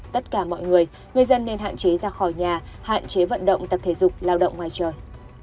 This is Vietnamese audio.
tất cả mọi người người dân nên hạn chế ra khỏi nhà hạn chế vận động tập thể dục lao động ngoài trời